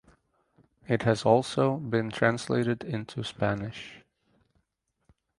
It has also been translated into Spanish.